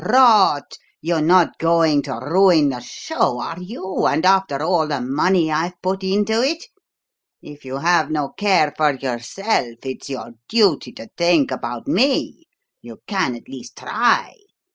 "Rot! You're not going to ruin the show, are you, and after all the money I've put into it? If you have no care for yourself, it's your duty to think about me. You can at least try.